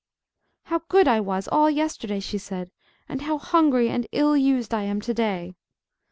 "How good I was all yesterday!" she said, "and how hungry and ill used I am to day!"